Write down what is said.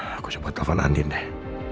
aku coba telfon andi deh